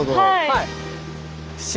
はい。